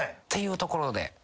っていうところで。